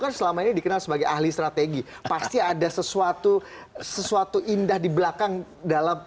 kan selama ini dikenal sebagai ahli strategi pasti ada sesuatu sesuatu indah di belakang dalam